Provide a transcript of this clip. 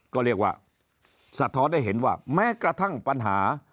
ก็เรียกว่าสะท้อนให้เห็นว่าแม้กระทั่งปัญหา